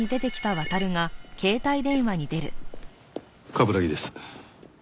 冠城です。